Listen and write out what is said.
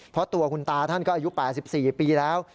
เพราะตัวคุณตาท่านก็อายุ๘๔ปีแล้ว